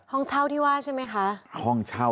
ห้องเช่าที่ว่าใช่ไหมคะห้องเช่า